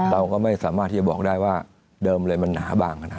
เราก็ไม่สามารถที่จะบอกได้ว่าเดิมเลยมันหนาบ้าง